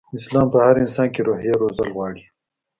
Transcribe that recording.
اسلام په هر انسان کې روحيه روزل غواړي.